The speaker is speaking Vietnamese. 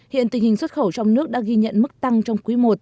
hiện tình hình xuất khẩu trong nước đã ghi nhận mức tăng trong quý i